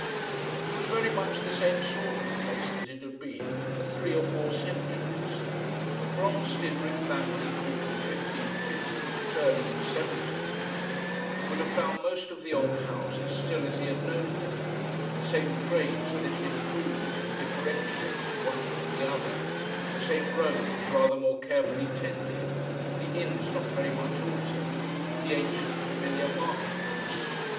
It was very much the same sort of place that it had been for three or four centuries. A Bromstead Rip van Winkle from 1550 returning in 1750 would have found most of the old houses still as he had known them, the same trades a little improved and differentiated one from the other, the same roads rather more carefully tended, the Inns not very much altered, the ancient familiar market house.